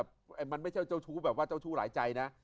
มันไม่ใช่เจ้าชู้แบบว่าเจ้าชู้หลายใจนะ